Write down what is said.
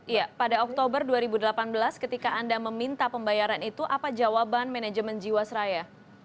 iya pada oktober dua ribu delapan belas ketika anda meminta pembayaran itu apa jawaban manajemen jiwasraya